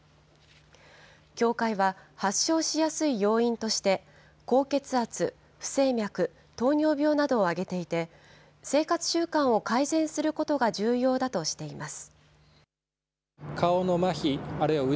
協会は、発症しやすい要因として、高血圧、不整脈、糖尿病などを挙げていて、生活習慣を改善することが重要だとしています。